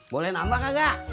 boleh nambah kagak